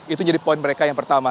itu jadi poin mereka yang pertama